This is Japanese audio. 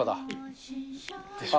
でしょ？